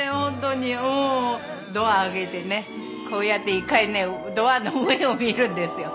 ドア開けてこうやって一回ねドアの上を見るんですよ。